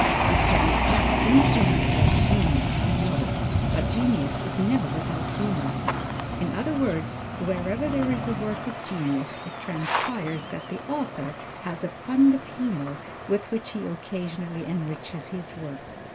It can exist independently of genius we know, but genius is never without humor. In other words, wherever there is a work of genius, it transpires that the author has a fund of humor with which he occasionally enriches his work.